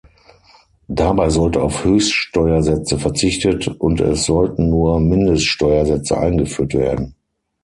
Dabei sollte auf Höchststeuersätze verzichtet und es sollten nur Mindeststeuersätze eingeführt werden.